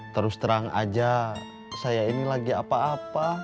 terus terang aja saya ini lagi apa apa